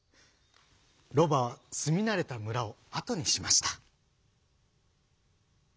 ロバはすみなれたむらをあとにしました。